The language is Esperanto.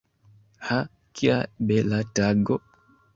Ha, kia bela tago!